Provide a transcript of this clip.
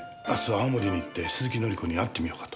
青森に行って鈴木紀子に会ってみようかと。